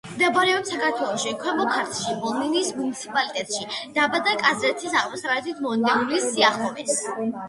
მდებარეობს საქართველოში, ქვემო ქართლში, ბოლნისის მუნიციპალიტეტში, დაბა კაზრეთის აღმოსავლეთით, მადნეულის სიახლოვეს.